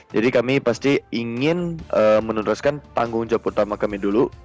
jadi kami pasti ingin meneruskan tanggung jawab utama kami dulu